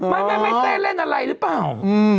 ไม่เต้เล่นอะไรหรือเปล่า